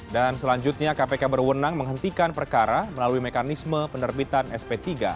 dan selanjutnya kpk berwenang menghentikan perkara melalui mekanisme penerbitan sp tiga